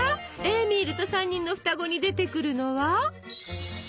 「エーミールと三人のふたご」に出てくるのは？